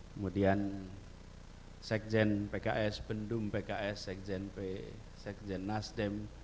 kemudian sekjen pks pendum pks sekjen nasdem